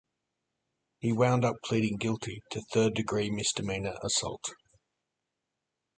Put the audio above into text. He wound up pleading guilty to third-degree misdemeanor assault.